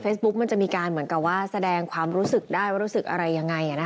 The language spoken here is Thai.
มันจะมีการเหมือนกับว่าแสดงความรู้สึกได้ว่ารู้สึกอะไรยังไง